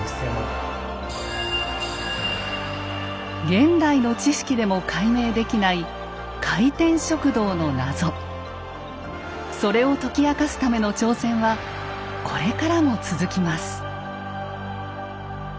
現代の知識でも解明できないそれを解き明かすための挑戦はこれからも続きます。